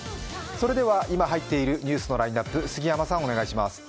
それでは今入っているニュースのラインナップ、杉山さん、お願いします。